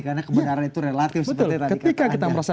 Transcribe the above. karena kebenaran itu relatif seperti tadi kata anda